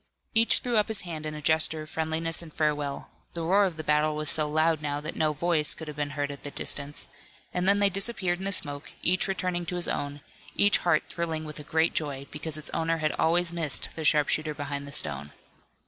Each threw up his hand in a gesture of friendliness and farewell the roar of the battle was so loud now that no voice could have been heard at the distance and then they disappeared in the smoke, each returning to his own, each heart thrilling with a great joy, because its owner had always missed the sharpshooter behind the stone.